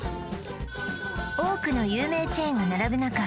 多くの有名チェーンが並ぶ中